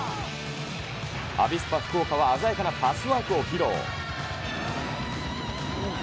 アビスパ福岡は鮮やかなパスワークを披露。